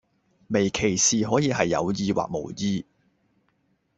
微歧視可以係有意或無意